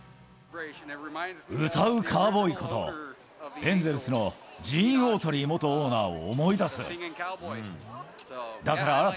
歌うカウボーイこと、エンゼルスのジーン・オートリー元オーナーを思い出す。